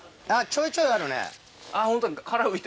ちょいちょいある。